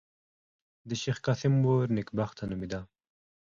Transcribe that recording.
د شېخ قاسم مور نېکبخته نومېده.